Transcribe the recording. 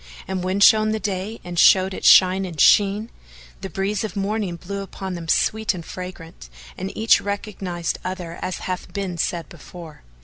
And when shone the day and showed its shine and sheen, the breeze of morning blew upon them sweet and fragrant, and each recognised other as hath been said before.